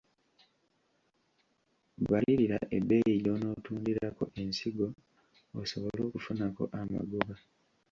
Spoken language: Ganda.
Balirira ebbeeyi gy’onootundirako ensigo osobole okufunako amagoba.